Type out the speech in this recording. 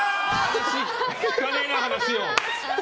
聞かねえな、話を。